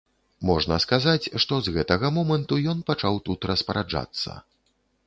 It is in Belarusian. Можна сказаць, што з гэтага моманту ён пачаў тут распараджацца.